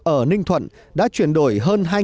ở ninh thuận đã chuyển đổi hơn